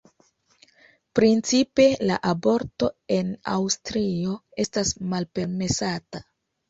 Principe la aborto en Aŭstrio estas malpermesata.